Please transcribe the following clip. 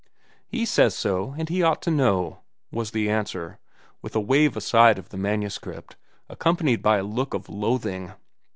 "He says so, and he ought to know," was the answer, with a wave aside of the manuscript, accompanied by a look of loathing.